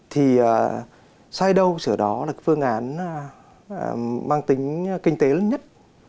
thì sai đâu sửa đó là phương án mang tính kinh tế lớn nhất